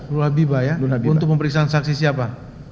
nur habibah ya untuk pemeriksaan saksi siapa